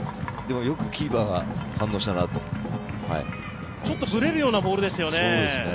でも、よくキーパーが反応したなとちょっとぶれるようなボールですよね。